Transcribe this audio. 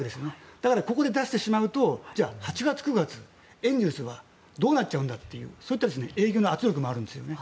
だからここで出してしまうと８月、９月、エンゼルスはどうなっちゃうんだというそういったような営業の圧力もあるんです。